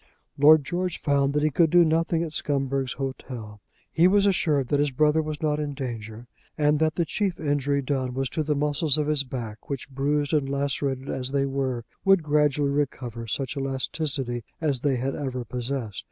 Lord George found that he could do nothing at Scumberg's Hotel. He was assured that his brother was not in danger, and that the chief injury done was to the muscles of his back, which bruised and lacerated as they were, would gradually recover such elasticity as they had ever possessed.